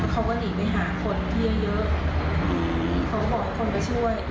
เขาก็หนีไปหาคนที่เยอะเยอะเขาบอกให้คนไปช่วย